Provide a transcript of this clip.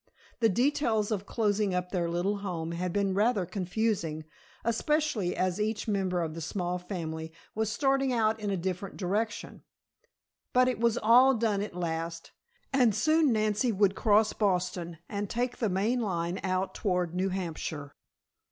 The details of closing up their little home had been rather confusing, especially as each member of the small family was starting out in a different direction, but it was all done at last, and soon Nancy would cross Boston and take the Maine line out toward New Hampshire.